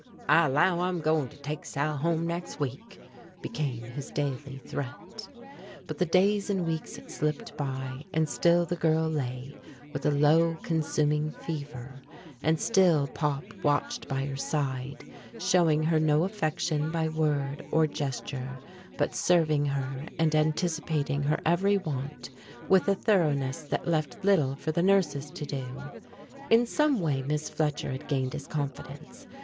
"I 'low I'm goin' to tek Sal home next week!" became his daily threat. But the days and weeks slipped by, and still the girl lay with a low, consuming fever, and still Pop watched by her side, showing her no affection by word or gesture but serving her and anticipating her every want with a thoroughness that left little for the nurses to do. In some way Miss Fletcher had gained his confidence.